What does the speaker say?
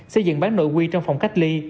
xây dựng bán nội quy trong phòng cách ly